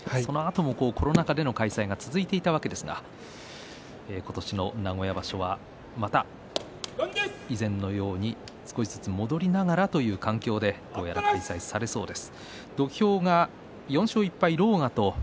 コロナ禍での開催が続いていたわけですが今年の名古屋場所は、また以前のように少しずつ戻りながらという環境で開催されそうです。